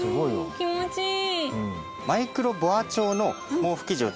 気持ちいい。